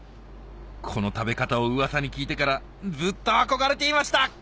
この食べ方をウワサに聞いてからずっと憧れていました！